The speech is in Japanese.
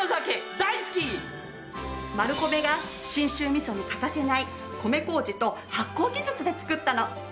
マルコメが信州味噌に欠かせない米こうじと発酵技術で作ったの。